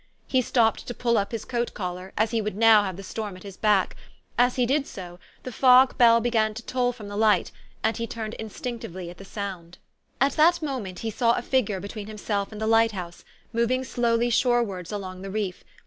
He stopped to pull up his coat collar, as he would now have the storm at his back ; as he did so, the fog bell began to toll from the Light, and he turned instinctively at the sound. At that moment he saw a figure between himself and the light house, moving slowly shorewards along the reef.